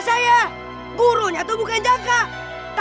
setelah kamu menikah ini sepertinya